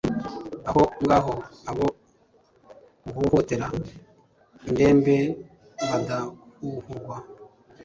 aho ngaho, abo uhohotera, indembe, badahuhurwa